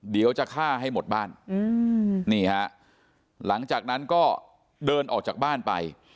เดี๋ยวจะฆ่าให้หมดบ้านนี่ฮะหลังจากนั้นก็เดินออกจากบ้านไป